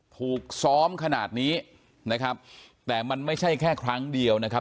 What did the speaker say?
ถูกซ้อมขนาดนี้นะครับแต่มันไม่ใช่แค่ครั้งเดียวนะครับ